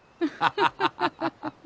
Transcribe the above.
ハハハハハ。